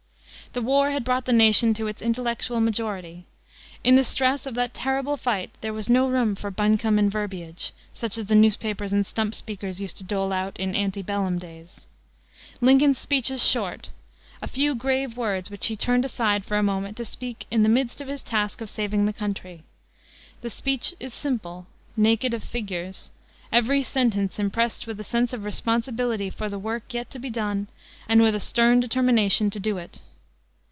The war had brought the nation to its intellectual majority. In the stress of that terrible fight there was no room for buncombe and verbiage, such as the newspapers and stump speakers used to dole out in ante bellum days. Lincoln's speech is short a few grave words which he turned aside for a moment to speak in the midst of his task of saving the country. The speech is simple, naked of figures, every sentence impressed with a sense of responsibility for the work yet to be done and with a stern determination to do it.